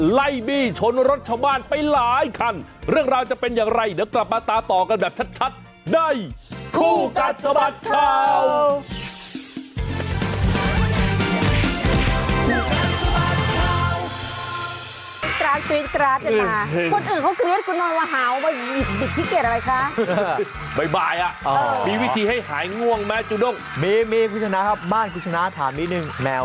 วันนี้ชวนคุยเรื่องอะไรดีนะสภาพอากาศไหม